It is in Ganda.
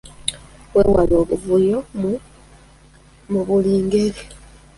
Mwewale obuvuyo mu buli ngeri.